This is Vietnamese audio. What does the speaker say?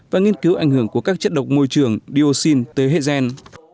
và nghiên cứu ảnh hưởng của các chất độc môi trường dioxin tới hệ gen